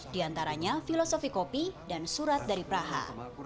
diantaranya filosofi kopi dan surat dari praha